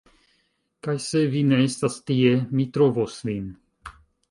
Kaj se vi ne estas tie, mi trovos vin